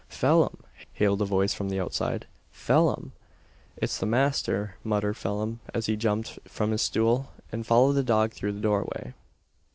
"Phelim!" hailed a voice from the outside. "Phelim!" "It's the masther," muttered Phelim, as he jumped from his stool, and followed the dog through the doorway.